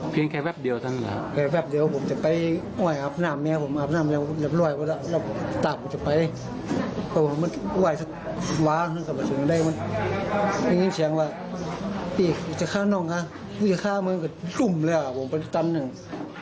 พี่จะฆ่าน้องเหรอกูจะฆ่ามันก็ดุ่มเลยอ่ะผมปฏิกันหนึ่ง